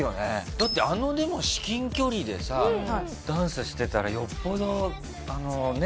だってあのでも至近距離でさダンスしてたらよっぽどあのねえ。